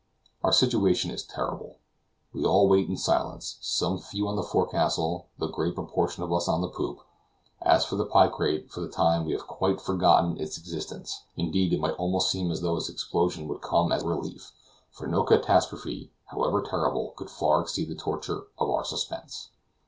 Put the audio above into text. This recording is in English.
Our situation is terrible. We all wait in silence, some few on the forecastle, the great proportion of us on the poop. As for the picrate, for the time we have quite forgotten its existence; indeed it might almost seem as though its explosion would come as a relief, for no catastrophe, however terrible, could far exceed the torture of our suspense.